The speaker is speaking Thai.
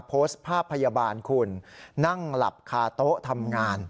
โพสต์ภาพพยาบาลคุณนั่งหลับคาโต๊ะทำงาน